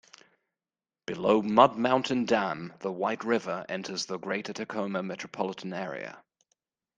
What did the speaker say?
Below Mud Mountain Dam the White River enters the greater Tacoma metropolitan area.